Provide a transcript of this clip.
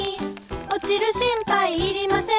「おちる心配いりません」